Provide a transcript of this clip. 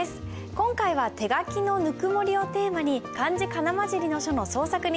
今回は「手書きのぬくもり」をテーマに漢字仮名交じりの書の創作に挑戦してもらいます。